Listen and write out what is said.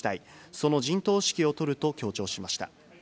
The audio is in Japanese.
その陣頭指揮を執ると強調しました。